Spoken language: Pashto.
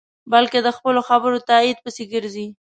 بلکې د خپلو خبرو تایید پسې گرځي.